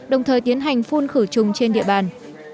đồng thời tiến hành phun khử trùng trên địa bàn